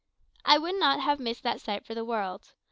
I would not have missed that sight for the world.